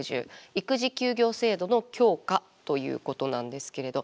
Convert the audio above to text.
育児休業制度の強化ということなんですけれど。